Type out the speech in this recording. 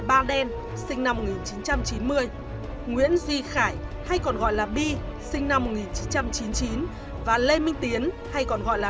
ba đen sinh năm một nghìn chín trăm chín mươi nguyễn duy khải hay còn gọi là bi sinh năm một nghìn chín trăm chín mươi chín và lê minh tiến hay còn gọi là